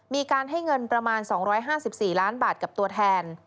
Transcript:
มีการให้เงินประมาณ๒๕๔ล้านบาทกับตัวแทน